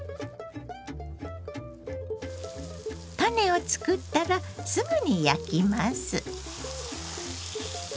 タネを作ったらすぐに焼きます。